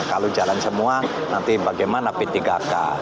kalau jalan semua nanti bagaimana p tiga k